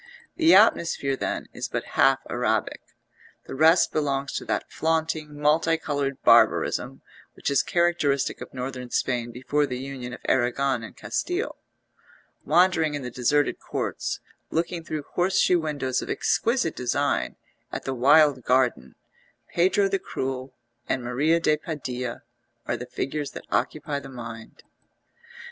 The atmosphere, then, is but half Arabic; the rest belongs to that flaunting, multi coloured barbarism which is characteristic of Northern Spain before the union of Arragon and Castile. Wandering in the deserted courts, looking through horseshoe windows of exquisite design at the wild garden, Pedro the Cruel and Maria de Padilla are the figures that occupy the mind.